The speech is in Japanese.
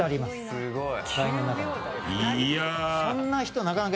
すごい！